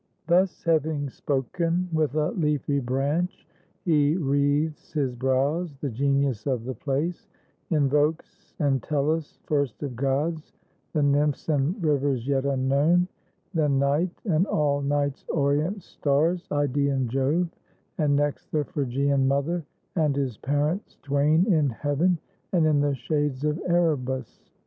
Thus having spoken, with a leafy branch He wreathes his brows, the Genius of the place Invokes, and Tellus, first of gods, — the Nymphs And Rivers yet unknown; then Night, and all Night's orient stars, Id^ean Jove, and next The Phrygian Mother, and his parents twain In heaven, and in the shades of Erebus.